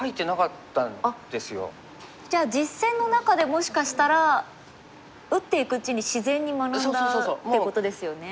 じゃあ実戦の中でもしかしたら打っていくうちに自然に学んだっていうことですよね。